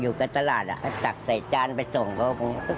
อยู่กับตลาดก็ตักใส่จานไปส่งเขาก็ง่าย